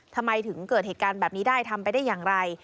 ทำไมถึงเกิดเหตุการณ์แบบนี้ได้ทำไปได้อย่างไร